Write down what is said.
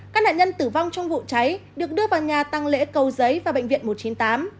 các nạn nhân tử vong trong vụ cháy được đưa vào nhà tăng lễ cầu giấy và bệnh viện một trăm chín mươi tám